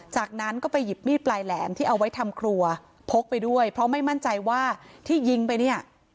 จากนั้นก็ไปหยิบมีดปลายแหลมที่เอาไว้ทำครัวพกไปด้วยเพราะไม่มั่นใจว่าที่ยิงไปเนี่ย